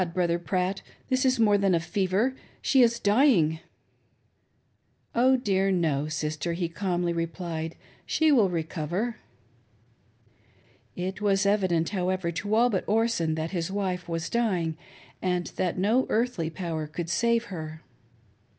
— Brother Pratt, this is more than fever — she is dying." "Oh dear, no, sister;" he calmly replied, "she will recover." It was evident, however, to all but Orson that his wife was dying, and that no earthly power could save her.